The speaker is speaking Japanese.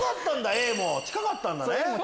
Ａも近かったんだね。